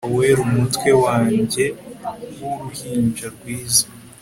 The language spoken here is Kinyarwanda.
o'er umutwe wanjye w'uruhinja rwiza